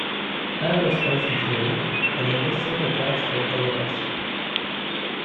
Aerospace engineering enables safer flights for all of us.